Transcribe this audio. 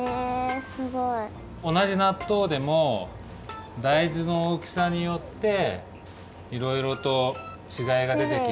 すごい。おなじなっとうでも大豆のおおきさによっていろいろとちがいがでてきます。